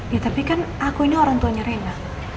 ya tapi kan aku ini orang tuanya rena